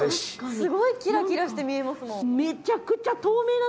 すごいキラキラして見えますもん。